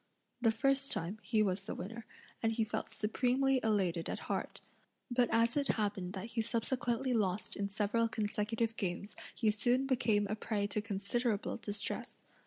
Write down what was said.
The first time, he was the winner, and he felt supremely elated at heart, but as it happened that he subsequently lost in several consecutive games he soon became a prey to considerable distress.